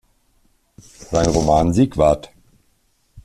Sein Roman "Siegwart.